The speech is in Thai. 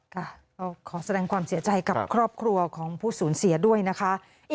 ค่ะก็ขอแสดงความเสียใจกับครอบครัวของผู้สูญเสียด้วยนะคะ